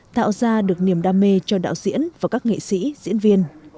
tạo ra được niềm đam mê cho đạo diễn và các nghệ sĩ diễn viên